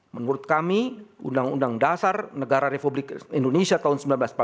menurut kami undang undang dasar negara republik indonesia tahun seribu sembilan ratus empat puluh lima